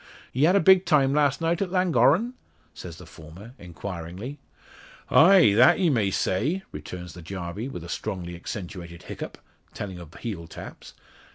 "Ye had a big time last night at Llangorren?" says the former, inquiringly. "Ah! that ye may say," returns the Jarvey, with a strongly accentuated hiccup, telling of heel taps.